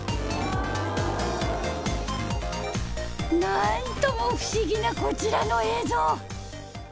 なんとも不思議なこちらの映像。